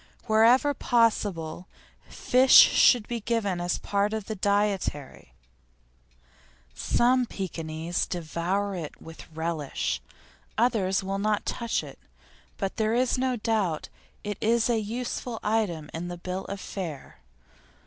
Wherever possible, fish should be given as part of the dietary; some Pekinese devour it with relish; others will not touch it, but there is no doubt it is a useful item in the bill of fare.